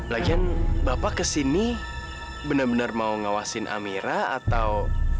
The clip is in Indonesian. lagian bapak ke sini bener bener mau ngawasin amira atau